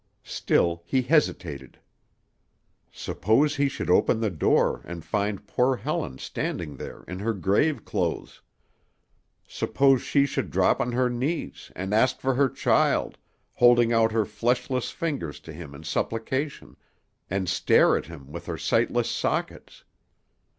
Still he hesitated. Suppose he should open the door, and find poor Helen standing there in her grave clothes! Suppose she should drop on her knees, and ask for her child, holding out her fleshless fingers to him in supplication, and stare at him with her sightless sockets?